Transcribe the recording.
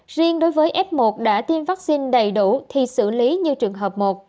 riêng đối với f một đã tiêm vaccine đầy đủ thì xử lý như trường hợp một